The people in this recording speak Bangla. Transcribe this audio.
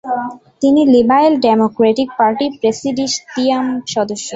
তিনি লিবারেল ডেমোক্র্যাটিক পার্টির প্রেসিডিয়াম সদস্য।